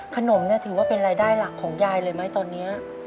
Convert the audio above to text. ขนมเนี่ยถือว่าเป็นรายได้หลักของยายเลยไหมตอนนี้